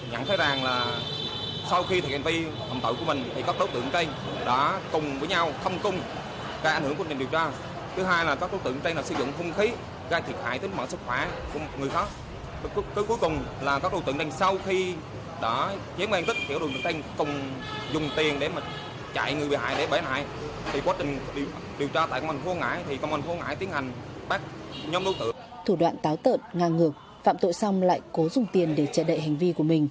đáng nói sau khi gây án nhóm đối tượng này đã dùng tiền để nhằm che đậy hành vi phạm tội